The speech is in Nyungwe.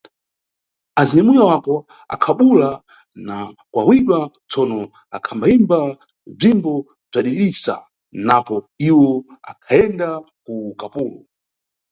Azinyamuya wako akhabuwula na kuwawidwa, tsono akhambayimba bzimbo bzadidisa napo iwo akhayenda ku ukapolo.